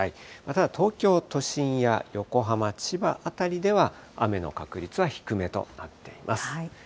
ただ東京都心や横浜、千葉辺りでは、雨の確率は低めとなっています。